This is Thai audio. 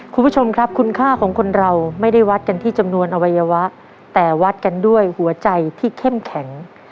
คุณผู้ชมครับคุณค่าของคนเราไม่ได้วัดกันที่จำนวนอวัยวะแต่วัดกันด้วยหัวใจที่เข้มแข็ง